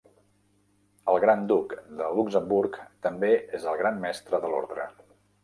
El Gran Duc de Luxemburg també és el Gran Mestre de l'Ordre.